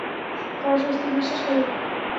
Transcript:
তারা স্বস্তির নিঃশ্বাস ফেলুক।